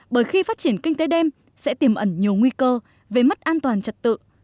bởi khi phát triển kinh tế đêm sẽ tiềm ẩn nhiều nguy cơ về mất an toàn trật tự